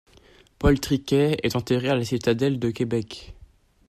Paul Triquet est enterré à la Citadelle de Québec.